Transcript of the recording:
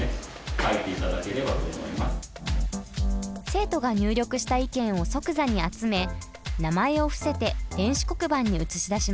生徒が入力した意見を即座に集め名前を伏せて電子黒板に映し出します。